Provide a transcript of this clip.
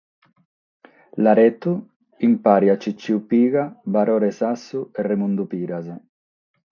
Laretu in pare a Ciciu Piga, Barore Sassu e Remundu Piras.